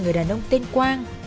người đàn ông tên quang